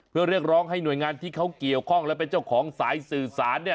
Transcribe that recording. เพื่อเรียกร้องให้หน่วยงานที่เขาเกี่ยวข้องและเป็นเจ้าของสายสื่อสาร